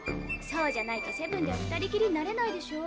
そうじゃないとセブンでは２人きりになれないでしょ。